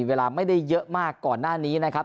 เวลาไม่ได้เยอะมากก่อนหน้านี้นะครับ